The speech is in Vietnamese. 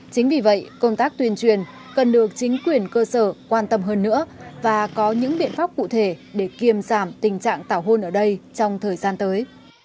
chính vì vậy công tác tuyên truyền cần được chính quyền cơ sở quan tâm hơn nữa và có những biện pháp cụ thể để kiềm giảm tình trạng tảo hôn ở đây trong thời gian tới